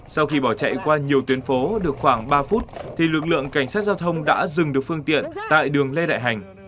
sau khi bỏ chạy qua nhiều tuyến phố được khoảng ba phút thì lực lượng cảnh sát giao thông đã dừng được phương tiện tại đường lê đại hành